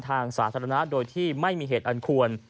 ทางสาธารณะโดยที่ไม่มีเหตุอันควร